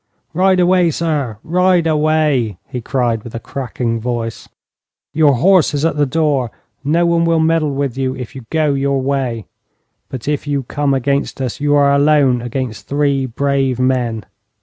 'Ride away, sir, ride away!' he cried, with a crackling voice. 'Your horse is at the door, and no one will meddle with you if you go your way; but if you come against us, you are alone against three brave men.'